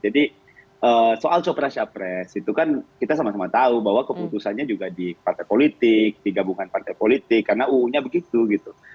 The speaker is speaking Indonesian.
jadi soal sopra sapres itu kan kita sama sama tahu bahwa keputusannya juga di partai politik di gabungan partai politik karena uungnya begitu gitu